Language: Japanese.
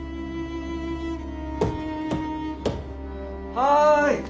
はい。